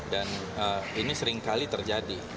dan ini seringkali terjadi